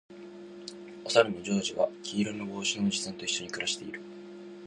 おさるのジョージは黄色の帽子のおじさんと一緒に暮らしている